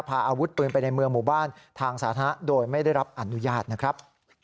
พาอาวุธปืนไปในเมืองหมู่บ้านทางสาธารณะโดยไม่ได้รับอนุญาตนะครับ